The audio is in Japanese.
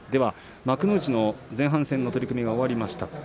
幕内の前半戦の取組が終わりました。